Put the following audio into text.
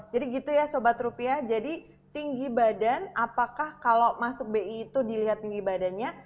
jadi gitu ya sobat rupiah jadi tinggi badan apakah kalau masuk bi itu dilihat tinggi badannya